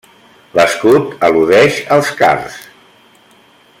L'escut al·ludeix als cards.